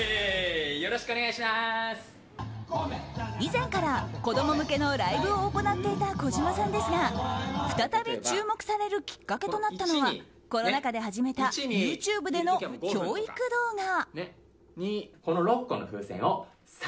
以前から、子供向けのライブを行っていた小島さんですが再び注目されるきっかけとなったのはコロナ禍で始めたＹｏｕＴｕｂｅでの教育動画。